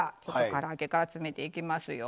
から揚げから詰めていきますよ。